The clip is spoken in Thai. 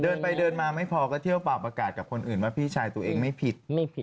เดินไปเดินมาไม่พอก็เที่ยวเป่าประกาศกับคนอื่นว่าพี่ชายตัวเองไม่ผิดไม่ผิด